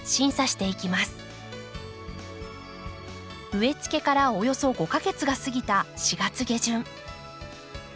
植え付けからおよそ５か月が過ぎた４月下旬。